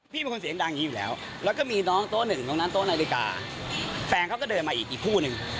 เขาก็คงหากว่าผมด่าเขาแต่ทุกคนกินไปจำจะรู้